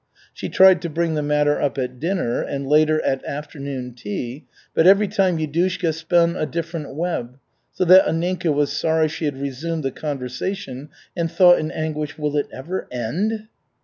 She tried to bring the matter up at dinner and later at afternoon tea, but every time Yudushka spun a different web, so that Anninka was sorry she had resumed the conversation, and thought in anguish, "Will it ever end?"